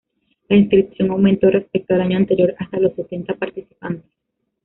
La inscripción aumentó respecto al año anterior hasta los setenta participantes.